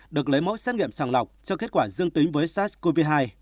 được lấy mẫu xét nghiệm sàng lọc cho kết quả dương tính với sars cov hai